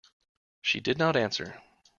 She did not answer.